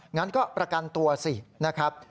งั้นก็ประกันตัวสินะครับ